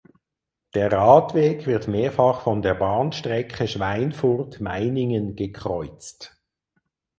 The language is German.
Der Radweg wird mehrfach von der Bahnstrecke Schweinfurt–Meiningen gekreuzt.